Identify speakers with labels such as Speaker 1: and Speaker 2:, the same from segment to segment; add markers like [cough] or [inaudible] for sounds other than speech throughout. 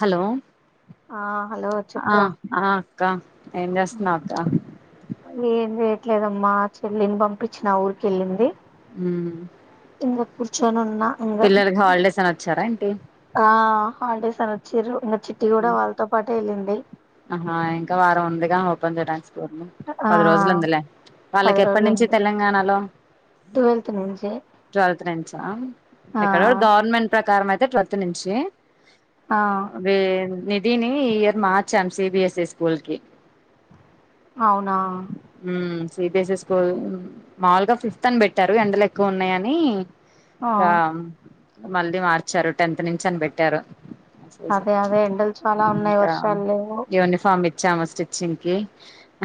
Speaker 1: Hello
Speaker 2: ఆ hello చెప్పురా
Speaker 1: క్క ఏం చేస్తున్నవ్ అక్క
Speaker 2: ఏం చేయట్లేదమ్మా చెల్లిని పంపించిన ఊరికెళ్ళింది
Speaker 1: ఉమ్
Speaker 2: సింగపూర్ చన న్
Speaker 1: పిల్లలకి హాలిడేస్ అని ఒచ్చారా ఏంటి
Speaker 2: ఆ హాలిడేస్ అనొచ్చరు ఇం
Speaker 1: ఆహా ఇంకా వారం ఉందిగా ఓ వన్ దె టన్స్
Speaker 2: ఆ
Speaker 1: పది రోజులుందిలే వాళ్ళకి
Speaker 2: పది
Speaker 1: ఎప్పటి
Speaker 2: రోజులు
Speaker 1: నుంచి
Speaker 2: ఉంది
Speaker 1: తెలంగాణలో
Speaker 2: ట్వెల్త్ నుంచి
Speaker 1: ట్వల్త్ నుంచా
Speaker 2: ఆ
Speaker 1: ఇక్కడైన గవర్నమెంట్ ప్రకారం అయితే ట్వల్ త్ నుంచీ
Speaker 2: ఆ
Speaker 1: ఆదే నిధిని ఈ ఇయర్ మార్చాం సిబిఎస్ఎస్ స్కూల్ కి
Speaker 2: అవునా
Speaker 1: సిబీఎస్ఎస్ స్కూల్‌ మాములుగా ఫిఫ్త్ అని పెట్టారు ఎండలు ఎక్కువ ఉన్నాయని
Speaker 2: ఆ
Speaker 1: అ మళ్ళీ మార్చారు టెన్త్ నుంచి అని పెట్టారు జె జ
Speaker 2: ఎండల్‌ చాలా ఉన్నాయి వర్షాలు లేవు
Speaker 1: ఇచ్చఅమ స్టిచ్చింగ్ కి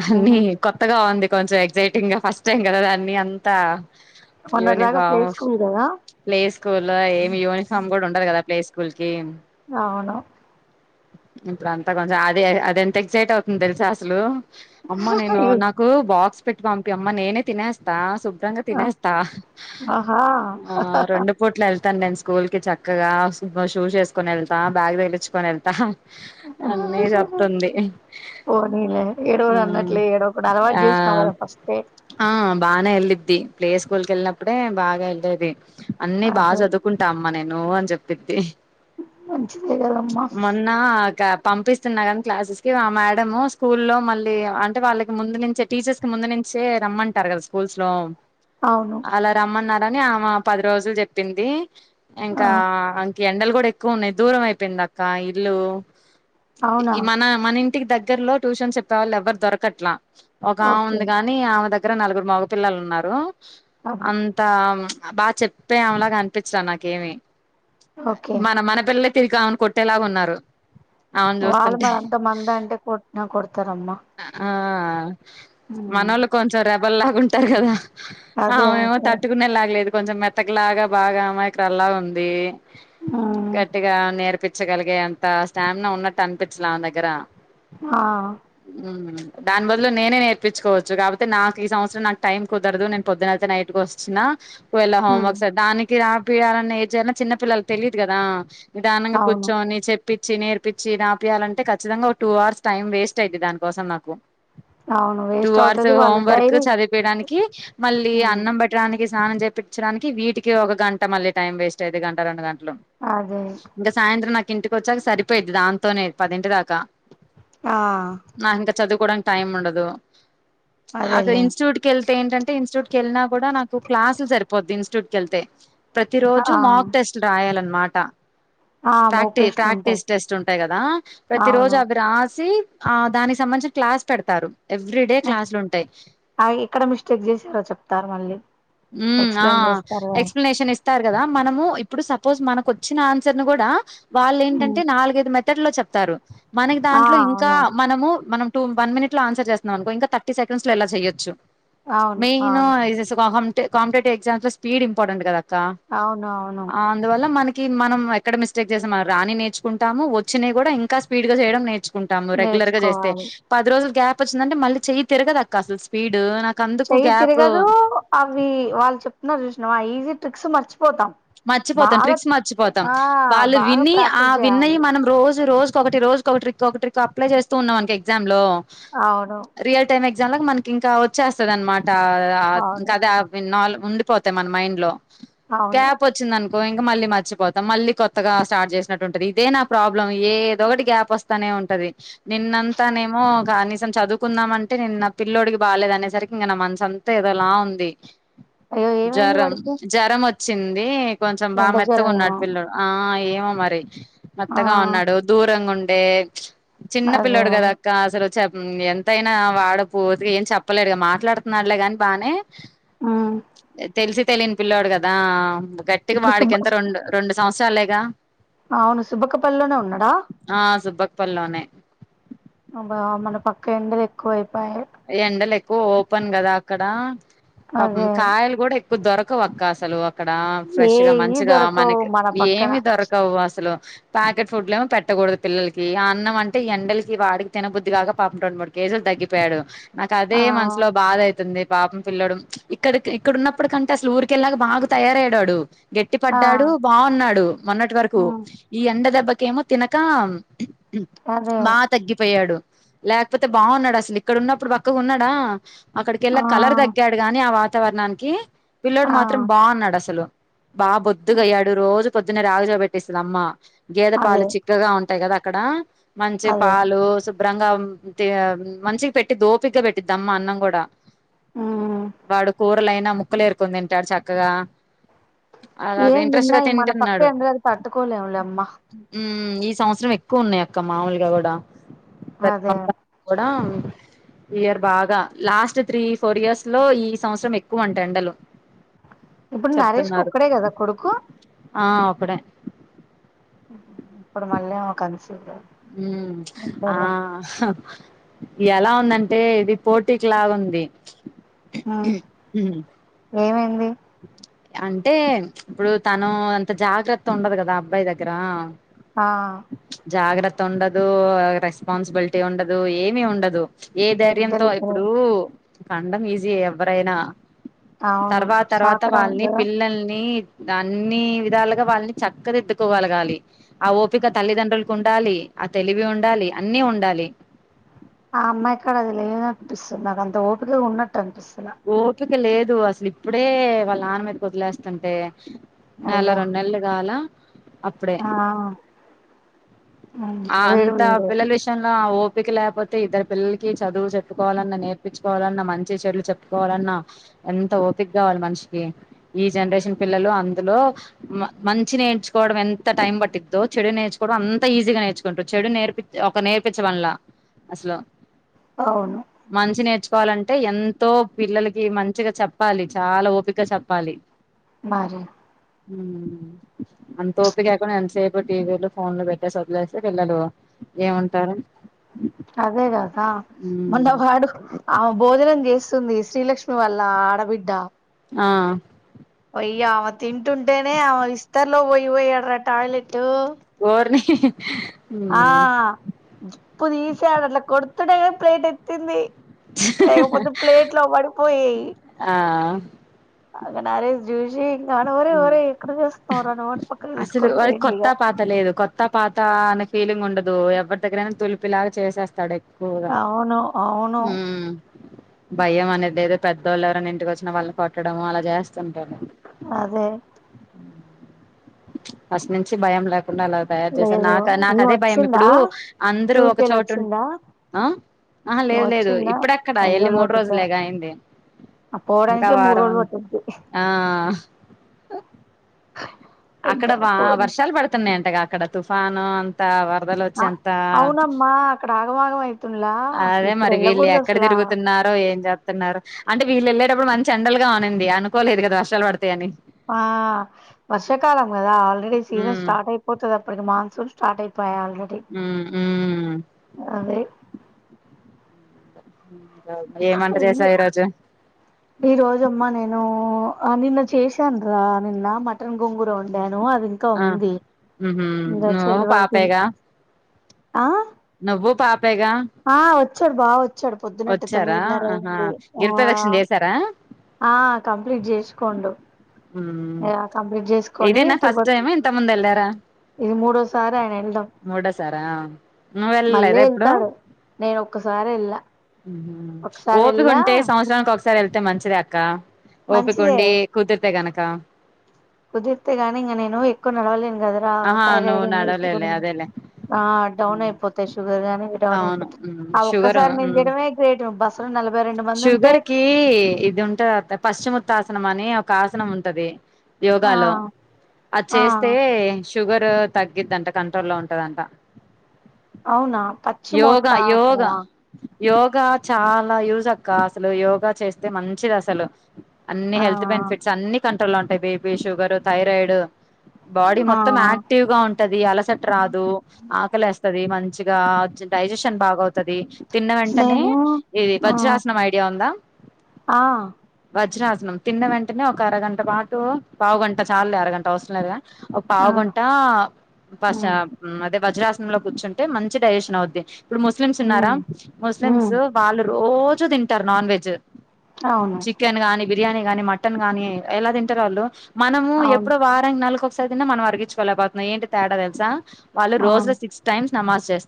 Speaker 1: హన్నీ
Speaker 2: ఉహు
Speaker 1: కొత్తగా ఉంది కొంచెం ఎగ్జైటింగ్ గా ఫస్ట్ టైం గద దాన్నీ అంతా
Speaker 2: మొన్నటిదకా ప్లే స్కూల్‌ గద
Speaker 1: స్కూల్‌ లో ఏమి యూనిఫామ్ కూడా ఉండదు కదా ప్లే స్కూల్ కి
Speaker 2: అవును
Speaker 1: ఇప్పుడు అంతా కొంచెం అది అది ఎంత ఎగ్జైట్ అవుతుంది తెలుసా అస్సలు అమ్మ నేను
Speaker 2: అయ్యో.
Speaker 1: నాకు బాక్స్ పెట్టి పంపి అమ్మ నేనే తినేస్తా సు శుభ్రంగా తినేస్తా
Speaker 2: ఆహా
Speaker 1: ఆ రెండు పూట్ల ఎల్ తన్ నేన్‌ స్కూల్ కి చక్కగా సూపర్ షూస్ వేసుకొని వెళ్తా బ్యాగ్ తెగిలించు పొని వెళ్త హ అన్నీ చెప్తుంది
Speaker 2: పోనీలే ఏడవను అన్నట్లే ఏడవకుండా అలవాటు
Speaker 1: ఆ
Speaker 2: చేసినావు కదా ఫస్టే
Speaker 1: ఆ ఆ బానే వెళ్ళిద్ది ప్లే స్కూల్ కెళ్ళప్పుడే బాగా వెళ్లేేది అన్నీ బా
Speaker 2: అదే
Speaker 1: చుదుకుంటా అమ్మ నేను అన్ చెప్పింది
Speaker 2: మంచ్
Speaker 1: మొన్న ఆక్రాబ్ పంపిస్తున్నగని క్లాసెస్ కి ఆ మేడము స్కూల్ లో మళ్ళీ అంటే వాళ్ళకి ముందు నించే టీచర్స్ కి ముందు నించే రమ్మంటారు కదా స్కూల్స్ లో
Speaker 2: అవును
Speaker 1: అలా రమ్మన్నార్ అని ఆమ పదిరోజుల్ చెప్పింది
Speaker 2: ఆ
Speaker 1: ఇంకా అంకె ఎండలు కూడా ఎ కోన్ని దూరమై పెండా కా ఇల్లు
Speaker 2: అవునా
Speaker 1: ఈ మన మన ఇం ఇంటికి దగ్గర లో ట్యూషన్ చెప్పేవాళ్ళ ఎవరు దొరకట్లా ఒక ఆమ
Speaker 2: ఓకే
Speaker 1: ఉంది కాగాని ఆమె దగ్గర దగ్గర నలుగురు మగ పిల్లలు ఉన్నారు అంతా బాగా చెప్పే అమలాగా అనిపించరలా నాకేమి
Speaker 2: ఓకే
Speaker 1: మన మన పిల్ల తగావునుట్ ఎలాగున్నారు
Speaker 2: వాళ్ళు మరి అంత మంద అంటే కొట్నా కొడతారమ్మా
Speaker 1: ఆ
Speaker 2: ఉమ్.
Speaker 1: మనలు కొంచెం ర బ్బలాగాంటారు కదా
Speaker 2: అదే
Speaker 1: అవుేమో
Speaker 2: అదే
Speaker 1: తట్టుకునేలాగలేదు కొంచెం మెత్తకులాగా బాగా అమాయకురాలు లాగా ఉంది
Speaker 2: ఉమ్.
Speaker 1: కటిగా నేర్పి నచ్చగలిగే అంత స్టామిన ఉన్నట్టు అనిపించాల ఆమె దగ్గర
Speaker 2: ఆ
Speaker 1: దాని బదులు నేనే నేర్పించుకోవచ్చు కాకపోతే నాకు ఈ సంవత్సరం నాకు టైం కుదరదు నేను పొద్దునపోతి నైట్ కు వచ్చిన వీళ్ళ
Speaker 2: ఉమ్.
Speaker 1: హోంవర్క్స్ దానికి రా పియాలని ఏ చేయాలన చిన్న పిల్లలు తెలిదు కదా నిదానంగా
Speaker 2: అవును
Speaker 1: కూర్చోని చెప్పి చేప్పించి నేర్పించి రాపియాలంటే ఖచ్చితంగా ఒక టూ అవర్స్ టైం వేస్ట్ అయింది దాని కోసం నాకు
Speaker 2: అవును
Speaker 1: టూ
Speaker 2: వేస్ట్
Speaker 1: అవర్స్
Speaker 2: అవుతది వాళ్ళ
Speaker 1: హోం వర్క్
Speaker 2: డైరీ
Speaker 1: చదిపోయడానికి కీ మళ్ళీ
Speaker 2: ఉమ్.
Speaker 1: అన్నం పెట్టడానికి స్నానం చేయిించడానికి వీటికి ఒక గంట మళ్ళీ టైం వేస్ట్ అయితది గంట రెండు గంట
Speaker 2: అదే
Speaker 1: ఇంకా సాయంత్రం ఇంటికి వచ్చాక సరిపోయిద్ది దాంతోనే పదింటి దాకా
Speaker 2: ఆ
Speaker 1: నాకు ఇంకా చదువుకోడా టైమ్ ఉండదు అక్క
Speaker 2: అదేలే
Speaker 1: ఇన్స్టిట్యూట్ కి వెళ్తే ఏంటంటే ఇన్స్టిట్యూట్ కి వెళ్ళినా కూడా నాకు క్లాసులు సరిపోద్ది ఇన్స్టిట్యూట్ కెల్తే ప్రతి రోజు
Speaker 2: ఆ
Speaker 1: మాక్ టెస్ట్లు రాయాలన్నా మాటా
Speaker 2: ఆ మోక్
Speaker 1: ప్రాక్టీస్
Speaker 2: టెస్ట్లు ఉంటాయి
Speaker 1: ప్రాక్టీస్ టెస్ట్ ఉంటాయి కదా ప్రతి రోజు
Speaker 2: అవును
Speaker 1: అవి రాసి ఆ దానికి సంబంధించిన క్లాస్ పెడతారు ఎవ్రీడే క్లాలు ఉంటాయి
Speaker 2: ఆ, ఎక్కడ మిస్టేక్ చేసారో చెప్తారు మళ్ళీ
Speaker 1: మ్మ్ ఆ
Speaker 2: ఎక్స్ప్లెయిన్ చేస్తారు
Speaker 1: ఎక్ప్లషన్ ఇస్తారు కదా మనము ఇప్పుడు సాప్ సపోజ్ మనకు వచ్చిన ఆన్సర్ నీ కూడా వాళ్ళు ఏంటంటే
Speaker 2: ఉమ్.
Speaker 1: నాలుగైదు మెథ ఇర్లో చెప్ తారు మనకి
Speaker 2: ఆ
Speaker 1: దాంట్లో ఇం ఇకా
Speaker 2: అవును
Speaker 1: మనము మనం వన్ మినిట్ లో ఆన్సర్ చేసినవ్ అనుకో ఇంకా తర్థి సెకండ్స్ లో ఎలా చెయొచ్చు
Speaker 2: అవును
Speaker 1: మెయిన్ నో
Speaker 2: అవును
Speaker 1: కాంపిటేటివ్ ఎగ్జామ్స్ లో స్పీడ్ ఇపార్టెట్ కదా క్క
Speaker 2: అవును అవును
Speaker 1: అందువల్ల మన కి మనం ఎక్కడ మిస్టేక్ చేసా మన రాని నేర్చుకుంటాము వచ్చినవి కూడా ఇంకా స్పీడ్ గా చేయడం నేర్చుకుంటాము రెగ్యలర్ గా చేస్తే
Speaker 2: నేర్చుకోవాలి
Speaker 1: పది రోజులు గ్యాప్ వచ్చిందంట మళ్ళ చెయ్యి తిరగది అక్క అసలు స్పీడ్ నాకు అందుకు
Speaker 2: చెయ్యి
Speaker 1: గ్యాప్
Speaker 2: తిరగదు అవి వాళ్ళు చెప్తున్నారు చూసిన ఈజీ ట్రిక్స్ మచ్
Speaker 1: మర్చిపోతాం ట్రిక్స్ మర్చిపోతాం
Speaker 2: ఆ
Speaker 1: వాళ్ళు
Speaker 2: బాగా
Speaker 1: విని ఆ
Speaker 2: ప్రాక్టీస్
Speaker 1: విన్నయి
Speaker 2: చేయాలి
Speaker 1: మనం రోజు రోజు ఒకటి రోజు ఒకటి ట్రిక్ ఒకటి ట్రిక్ అప్లై చేస్తూ ఉన్నాం అనుకో ఎగ్జామ్ లో
Speaker 2: అవును
Speaker 1: ఆలాగా మనకి ఇంకా వచ్చేస్తది అనమాట
Speaker 2: అవును
Speaker 1: ఇంకా ద అదా నాలుగు ఉండిపోతాయి మన మైండ్ లో
Speaker 2: అవును
Speaker 1: గ్యాప్ వచ్చింద అను ఇంకా మళ్ళీ మర్చిపోతాం మళ్ళీ కొత్తగా స్టార్ట్ చేసినట్టు ఉంటది ఇదే నా ప్రాబ్లం ఏదో ఒకటి గ్యాప్ వస్తానే ఉంటది నిన్నంతానేమో కనీసం చదువుకుందమంటే ని నా పిల్లోడికి బాలేదు అనేసరికి ఇంక నా మనసు అంతా ఏదోలా ఉంది
Speaker 2: అయ్యో ఏమైంది
Speaker 1: జరం
Speaker 2: వాడికి
Speaker 1: జరం వ వచ్చింది కొంచెం బాగా
Speaker 2: ఎండ జ్వరం
Speaker 1: మెత్తకున్నాడు
Speaker 2: ఏమో
Speaker 1: పిల్లడు ఆ ఏ అ మరి
Speaker 2: ఆ
Speaker 1: మేత్తగా ఉన్నాడు దూరంగా ఉం బే చిన్న
Speaker 2: అదే
Speaker 1: పిల్లడు కదా
Speaker 2: అదే
Speaker 1: అక్క అసలు చెప్ ఎంతైనా వాడుపూర్తిగా ఏం చెప్పలేడు గా మాట్లాడుతున్నాడలే గాని బాగానే
Speaker 2: ఉమ్
Speaker 1: తెలిసి తెలిని పిల్లాడు కా దాం గట్టిగా
Speaker 2: ఇప్పుడు సుబ్బ
Speaker 1: వాడికెంత రెండు రెండు సంవత్సరాల్లే గా
Speaker 2: అవును సుబ్బక్క పల్లోనే ఉన్నాడా
Speaker 1: ఆ సుబ్బక్ పల్లోనే
Speaker 2: అబ్బా మన పక్ కెండలు ఎక్కువై
Speaker 1: ఎండలెక్ ఓ ఓపెన్ కదా అక్కడ పాపం
Speaker 2: అదే
Speaker 1: కాయలు గూడా దొరకవక్క అసలు క్కడ ఫ్రెష్ గా
Speaker 2: ఏయి
Speaker 1: మంచిగా
Speaker 2: దొరకవు
Speaker 1: మనకి
Speaker 2: మన పక్కన
Speaker 1: ఏమీ దొరకవు అసలు ప్యాకెట్ ఫుడ్లేమో పెట్టకూడదు పిల్లలకి ఆ అన్నం అంటే ఎండలకి వాడికి తినబుద్ది గాక పాపం రెండు మూడు కేజీలు తగ్గిపోయాడు నాకదే
Speaker 2: ఆ
Speaker 1: మనసులో భాదైతుంది పాపం పిల్లోడు ఇక్కడికి ఇక్కడున్నప్పుటికంటే అసలు ఊరికెళ్ళాక బాగా తయారయ్యాడాడు గట్టి
Speaker 2: ఆ
Speaker 1: పడ్డాడు బావున్నాడు మొన్నటి వరకు
Speaker 2: ఉమ్
Speaker 1: ఈ ఎండ దెబ్బ కేమో తినక
Speaker 2: అదే
Speaker 1: బా తగ్గిపోయాడు లేకపోతే బావున్నాడస్లి ఇక్కడున్నప్పుడు బక్కగున్నాడా
Speaker 2: ఆ
Speaker 1: అక్కడికికెళ్ళాక కలర్ తగ్గాడు గాని ఆ వాత్ త్తవర్ణానికి పిల్లోడు
Speaker 2: ఆ
Speaker 1: మాత్రం బావున్నాడు అసలు బా బొద్దుగయ్యాడు రోజు పొద్దున్న రాగి జావ పెట్టిస్తుదమ్మ గేదె పాలు
Speaker 2: అదే
Speaker 1: చిక్కగా ఉంటాయి కదా క్కడ మంచి
Speaker 2: అదే
Speaker 1: పాలు భ్రంగా [unintelligible] మంచి పెట్టిద్దోపిగ్గా పెట్టిద్దమ్మ అన్నం గూడా
Speaker 2: ఉమ్
Speaker 1: వాడుకో లైనా ముక్కలేేరుకొని తింటారు చక్కగా అలాగ
Speaker 2: ఏం
Speaker 1: ఇంట్రెస్ట్
Speaker 2: తిన్నా
Speaker 1: గా
Speaker 2: మన పక్క
Speaker 1: తింటున్నాడు
Speaker 2: ఎండలకి తట్టుకోలేములే అమ్మ
Speaker 1: మ్ ఈ సంవత్సరం ఎక్కువున్నాయి అక్క మామూలుగా కూడా
Speaker 2: అదే
Speaker 1: [unintelligible] కూడా ఇయర్ బాగా లాస్ట్ త్రీ ఫోర్ ఇయర్స్ లో ఈ సంవత్సరం ఎక్కువ అంట ఎండలు
Speaker 2: ఇప్పుడు నరేష్కి
Speaker 1: చెప్తున్నారు
Speaker 2: ఒక్కడే కదా కొడుకు
Speaker 1: ఆ ఒకడే
Speaker 2: ఇప్పుడు మళ్ళీ ఆమె కాన్సి [unintelligible]
Speaker 1: హమ్ ఆహ్ ఎలా ఉందంటే ఇది పోటీకి లాగుంది
Speaker 2: హ ఏమై
Speaker 1: అంటే ఇప్పుడు తను అంత జాగ్రత్త ఉండదు కదా అబ్బాయి దగ్గర
Speaker 2: ఆహ్
Speaker 1: జాగ్రత్త ఉండదు రెస్పాన్సిబిలిటీ ఉండదు ఏమి ఉండదు ఏ
Speaker 2: ఇద్దరు
Speaker 1: ధైర్యంతో
Speaker 2: ఇద్దరే
Speaker 1: ఇప్పుడు కండం ఈజీ ఎహ్ ఎవ్వరైనా
Speaker 2: అవును
Speaker 1: తర్వాత
Speaker 2: సాకడానికి
Speaker 1: వాల్నీ
Speaker 2: కదా
Speaker 1: పిల్లల్ని దన్ని విధాలుగా వాళ్ళని చక్కదిత్దుకోగలగాలి ఆహ్ ఓపిక తల్లిదండ్రులకు ఉండాలి ఆహ్ తెలివి ఉండాలి అన్ని ఉండాలి
Speaker 2: ఆహ్ అమ్మాయిక్కడ అది లేదపిస్తుంది నాకు అంత ఓపికే ఉన్నట్ కనిపిస్తల
Speaker 1: ఓపిక లేదు అసలు ఇప్పుడే వాళ్ళ నాన్న మీదకి వదిలేస్తుంటే నెల రెండ్నేళ్ళు కాల
Speaker 2: ఆహ్
Speaker 1: ఆహ్ అంతా పిల్లల విషయంలో ఆహ్ ఓపీ పిక లేకపోతే ఇద్దరు పిల్లలకి చదువు చెప్పుకోవాలన్నా నేర్పించుకోవాలన్నా మంచి చెడులు చెప్పుకోవాలన్నా ఎంత ఓపిక కావాలి మనిషికి ఈ జనరేషన్ పిల్లలు అందులో మంచి నేర్చుకోవడం ఎంత టైం పట్టిద్దో చెడు నేర్చుకోవడం అంత ఈ గా నేర్చుకుంటు చెడు నేర్పి ఒక నేర్పించ బాన్ల అసలు
Speaker 2: అవును
Speaker 1: మంచి నేర్చ కోవాలంటే ఎంతో పిల్లలకి మంచిగా చెప్పాలి చాలా ఓపిక చెప్పాలి
Speaker 2: మరి
Speaker 1: అంత ఓపిక ఎక్కడ ఎంతసేపు టీవీలు ఫోన్లు పెట్టేసి వ స్తే పిల్లలు ఏముంటారు
Speaker 2: అదే కాదా మందు వడు ఆహ్ భోజనం చేస్త స్తుంది శ్రీలక్ష్మి వల్ల ఆడబిడ్డ
Speaker 1: ఆహ్
Speaker 2: అయ ఆమె తింటుంటేనే ఆమె ఇస్తరులో పోయి పోయాడ రా టాయిలెట్ టూ
Speaker 1: [unintelligible]
Speaker 2: ఆహ్ ప్పు తీసాడు అట్లా కొడుతుడే ప్లేట్ ఎత్తింది లేకపోతే ప్లేట్ లో పడిపోయియి
Speaker 1: ఆ
Speaker 2: అ నాారేజ జ నువ్వు అని పక్కకు
Speaker 1: అసలు
Speaker 2: తీసుకొని
Speaker 1: వారికి
Speaker 2: పోయిండు
Speaker 1: కొత్త
Speaker 2: ఇగ
Speaker 1: పాత లేదు కొత్త పాత అనే ఫీలింగ్ ఉండదు ఎవరి దగ్గరైనా తులిపిలాగా చేసేస్తాడు ఎక్కువగా
Speaker 2: అవును అవును
Speaker 1: భయం అనేది ఏదో పెద్దోళ్ళు ఎవరనా ఇంటికి వచ్చినా వాళ్ళని కొట్టడము అలా చేస్తుంటారు
Speaker 2: అదే
Speaker 1: ఫస్ట్ నుంచి భయంలా తకుండాలాగా తయారు చేసారు నా
Speaker 2: లేదు
Speaker 1: నాకు
Speaker 2: ఈమె
Speaker 1: అదే భయం
Speaker 2: వచ్చిందా
Speaker 1: ఇప్పుడు అందరూ ఒక
Speaker 2: టూర్కెళ్ళి
Speaker 1: చోటు
Speaker 2: వచ్చిందా
Speaker 1: ఆ ఆ
Speaker 2: ఈమె
Speaker 1: లేదు లేదు
Speaker 2: వచ్చిందా
Speaker 1: ఇప్పుడక్కడా
Speaker 2: ఎన్ని
Speaker 1: వెళ్ళి
Speaker 2: రోజులు
Speaker 1: మూడు
Speaker 2: పట్టుద్దా
Speaker 1: రోజులేగా అయింది ఇంకా
Speaker 2: పోవడానికే మూడు
Speaker 1: వారం
Speaker 2: రోజులు పట్టుద్ది
Speaker 1: ఆ అక్కడ
Speaker 2: ఇంకా
Speaker 1: బా
Speaker 2: పోనీ
Speaker 1: వర్షాలు పడుతున్నాయంటగా ఇక్కడ తుఫాను అంతా
Speaker 2: అవునమ్మా ఆగమాగం అయితే
Speaker 1: అదే మరి వీళ్ళు ఎక్కడ తిరుగుతున్నారో ఏం చెప్తున్నారో అంటే వీళ్ళెళ ఇప్పుడు మంచి అండల్గా ఉనింది అనుకోలేదు కద వర్ష పడుతంది
Speaker 2: ఆ వర్షాకాలం కదా ఆల్రెడీ సీజన్
Speaker 1: ఉమ్
Speaker 2: స్టార్ట్ అయిపోతుంది అప్పటికి మాన్సూన్ స్టార్ట్ అయిపోంది పో ఆల్రెడీ
Speaker 1: ఉమ్ ఉమ్
Speaker 2: అది
Speaker 1: హ
Speaker 2: ఈ రోజమ్మా నేను ఆ నిన్న చేసాన్రా నిన్న మటన్ గంగూర ఉండే అది ఇంకా
Speaker 1: ఆ
Speaker 2: ఉంది
Speaker 1: ఉహు
Speaker 2: ఇంకా
Speaker 1: నువ్వు
Speaker 2: చెల్లి వాళ్ళకిి
Speaker 1: పాపేగా
Speaker 2: ఆ
Speaker 1: నువ్వు పాప పేగ
Speaker 2: చర్బావ చడు పొద్దునట్టటు తొమ్మిదిన్నర
Speaker 1: ఆహా
Speaker 2: అయింది
Speaker 1: గిరి
Speaker 2: ఆ
Speaker 1: ప్రదక్షిణ చేసారా
Speaker 2: ఆ కంప్లీట్ చేసుకోండు
Speaker 1: ఉమ్
Speaker 2: ఇలా కంప్లీట్ చేసుకొని
Speaker 1: ఇదేనా ఫస్ట్
Speaker 2: తిరుపతి
Speaker 1: టైమ్ ఇంత ముందు వెళ్ళారా
Speaker 2: ఇది మూడోసారి ఆయన వెళ్డం
Speaker 1: మూడోసారా నువ్వు
Speaker 2: మళ్ళీ
Speaker 1: వెళ్ళలేదా ఎప్పుడు
Speaker 2: వెళ్తాడు నేను ఒక్కసారి వెళ్ళ
Speaker 1: ఓపిక ఉంటే సంవత్సరానికి ఒకసారి వెళ్తే మంచిది క్క
Speaker 2: మంచిదే
Speaker 1: ఓపికండి కుదిర్ర్తే గనక క
Speaker 2: కుదిర్తేగానీ ఇ నేను ఎక్కువ నలవల్లే గదరా
Speaker 1: ఆహా
Speaker 2: థైరాయిడ్
Speaker 1: నువ్వు
Speaker 2: ఉంది షుగర్
Speaker 1: నడవలేవులే అదేలే
Speaker 2: ఆ డౌన్ అయిపోతాయి షుగర్ గాని డౌన్
Speaker 1: అవును
Speaker 2: అయిపోతాయి ఆ
Speaker 1: షుగర్
Speaker 2: ఒక్కసారి మేము చేయడమే గ్రే బస్సలో నలభై రెండు మంది ఉంటే
Speaker 1: షుగర్ కి ఇది ఉంటది పశ్చిమోత్తాసనం అని ఒక ఆసనం ఉంటది.
Speaker 2: ఆ
Speaker 1: యోగాలో అది
Speaker 2: ఆ
Speaker 1: చేస్తే షుగర్ తగ్గిద్దంట కంట్రోల్ లో ఉంటదంట.
Speaker 2: అవునా పచ్చి
Speaker 1: యోగా
Speaker 2: మోత్త
Speaker 1: యోగా
Speaker 2: అవసరమా
Speaker 1: యోగా చాలా యూజ్ వద్దక్కా అసలు యోగా చేస్తే మంచిది అసలు అన్ని
Speaker 2: ఆ
Speaker 1: హెల్త్ బెనిఫిట్స్ అన్ని కం కంట్రోల్ లో ఉంటాయి. బీపీ, షుగర్, థైరాయిడ్ బాడీ
Speaker 2: ఆ
Speaker 1: మొత్తం
Speaker 2: ఆ
Speaker 1: యాక్టివ్ గా ఉంటది. అలసట రాదు ఆకలి ఏస్తది. మంచిగా వచ్చి డైజెషన్ బాగవుతుంది. ఉంటది తిన్న వెంటనే
Speaker 2: నేను
Speaker 1: ఈ
Speaker 2: ఆ
Speaker 1: వజ్రాసనం ఐడియా ఉందా
Speaker 2: ఆ
Speaker 1: వజ్రాస తిన్న వెంటనే ఒక అరగంట పాటు పావుగంట చాలులే అరగంట అవసరంలేదుగా
Speaker 2: ఆ
Speaker 1: పావుగుంట పస
Speaker 2: ఉమ్
Speaker 1: మదే వజ్రాసనంలో కూర్చుంటే మంచి డైజేషన్ అవుద్ది. ఇప్పుడు ముస్లిమ్స్ ఉన్నారా
Speaker 2: ఉమ్
Speaker 1: ముస్లిమ్స్
Speaker 2: ఉమ్
Speaker 1: వాళ్ళు రోజూ తింటారు నాన్ వెజ్.
Speaker 2: అవును
Speaker 1: చికెన్ కానీపి బిర్యానీ గాని మటన్ గాని ఎలా తింటారు వాళ్ళు మనము
Speaker 2: అవును
Speaker 1: ఎప్పుడో వారానికి నెలకొకసా తిని మనం అరిగించుకోలేకపోతున్నాం ఏంటి తేడా తెలుసా వాళ్ళు
Speaker 2: ఆ
Speaker 1: రోజుల సిక్స్ టైమ్స్ నమాజ్ చేస్తా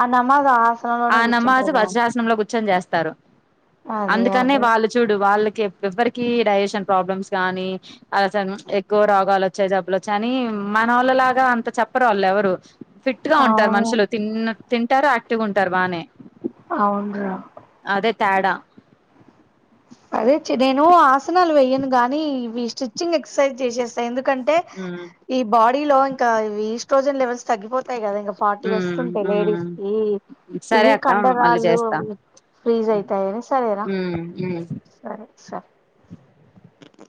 Speaker 2: ఆ నమాజు అ ఆసనంలోనే కూఠ్చుంటరా
Speaker 1: నిల్చోని చేస్తారు. అందుకనే
Speaker 2: అదే
Speaker 1: వాళ్ళు చూడు వాళ్ళ్ ఎవ్వరికి డైజెషన్ ప్రాబ్లమ్స్ గానీ అసలు ఎక్కువ రోగాలు వచ్చాయి జబ్బులు కాని మన వాళ్ళలాగా అంత చెప్పరు వాళ్ళు ఎవరు ఫిట్ గా ఉంటారు
Speaker 2: అవును
Speaker 1: మనుషులు తిన్న తింటారు యాక్టివ్ గా ఉంటారు బానే
Speaker 2: అవునురా
Speaker 1: అదే తేడా
Speaker 2: అదే చి నేను ఆసనాలు వెయ్యను గానీ ఇవి స్టిచ్చింగ్ ఎక్సర్సైజ్ చేసేస్తా ఎందు కంటే
Speaker 1: ఉమ్
Speaker 2: ఈ బాడీ దీలో ఇంకా ఈస్ట్రోజన్ లెవెల్స్ తగ్గిపోతుంది. ాయి కదా ఇంకా ఫార్టీ
Speaker 1: ఉమ్
Speaker 2: వస్తుంటాయి లేడీస్
Speaker 1: ఉమ్
Speaker 2: కి
Speaker 1: సరే
Speaker 2: ఇవి
Speaker 1: అక్క మళ్ళీ
Speaker 2: కండరాళ్ళు
Speaker 1: చేస్తా
Speaker 2: ఫ్రీజ్
Speaker 1: ఉమ్
Speaker 2: అయితాయని సరేనా
Speaker 1: హ్మ్. హ్మ్.
Speaker 2: సరే సరే